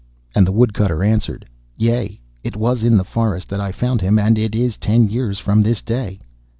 And the Woodcutter answered, 'Yea, it was in the forest that I found him, and it is ten years from this day.